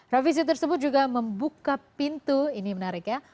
revisi tersebut juga membuka pintu ini menarik ya